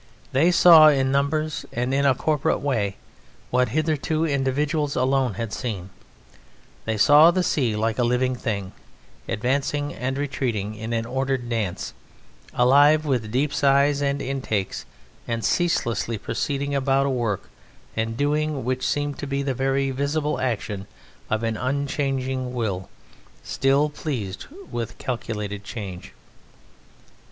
They saw in numbers and in a corporate way what hitherto individuals alone had seen; they saw the sea like a living thing, advancing and retreating in an ordered dance, alive with deep sighs and intakes, and ceaselessly proceeding about a work and a doing which seemed to be the very visible action of an unchanging will still pleased with calculated change.